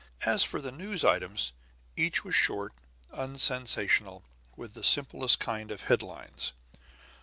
As for the news items, each was short, unsensational, with the simplest kind of head lines.